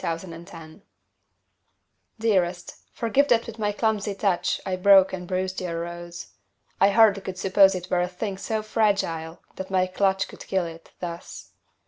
Stupidity Dearest, forgive that with my clumsy touch I broke and bruised your rose. I hardly could suppose It were a thing so fragile that my clutch Could kill it, thus.